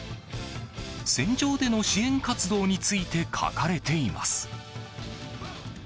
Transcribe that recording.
戦場での支援活動について書かれています。